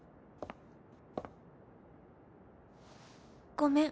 ごめん。